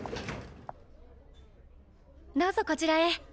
どうぞこちらへ。